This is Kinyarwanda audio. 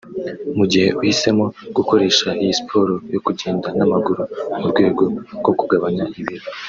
Mugihe uhisemo gukoresha iyi siporo yo kugenda n’amaguru mu rwego rwo kugabanya ibiro